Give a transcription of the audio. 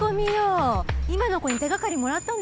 今の子に手がかりもらったんでしょ？